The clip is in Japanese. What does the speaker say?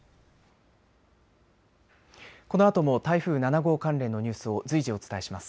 このあとも台風７号関連のニュースを随時お伝えします。